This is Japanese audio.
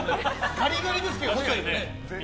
ガリガリですけど。